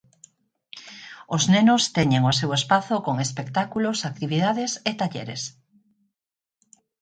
Os nenos teñen o seu espazo con espectáculos, actividades e talleres.